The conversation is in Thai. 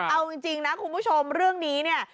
เอาจริงนะคุณผู้ชมเรื่องนี้เนี่ย